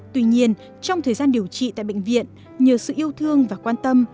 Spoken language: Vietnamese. tuy nhiên trong thời gian điều trị tại bệnh viện nhờ sự yêu thương và quan tâm